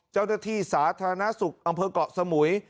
เจ้าหน้าที่สาธารณสุขอำเภอกเกาะสมุย